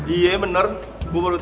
iya bener gue baru tau